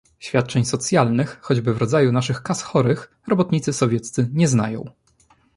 "Świadczeń socjalnych, choćby w rodzaju naszych Kas Chorych, robotnicy sowieccy nie znają."